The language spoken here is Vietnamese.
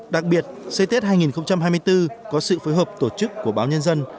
đặc biệt xây tết hai nghìn hai mươi bốn có sự phối hợp tổ chức của báo nhân dân